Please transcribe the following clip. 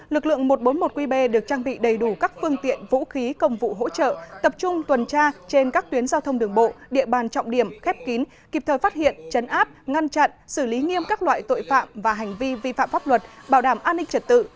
lực lượng một trăm bốn mươi một qb được trang bị đầy đủ các phương tiện vũ khí công vụ hỗ trợ tập trung tuần tra trên các tuyến giao thông đường bộ địa bàn trọng điểm khép kín kịp thời phát hiện chấn áp ngăn chặn xử lý nghiêm các loại tội phạm và hành vi vi phạm pháp luật bảo đảm an ninh trật tự